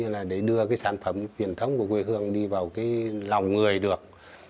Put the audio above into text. cũng như là để đưa cái sản phẩm huyền thống của quê hương đi vào cái lòng người được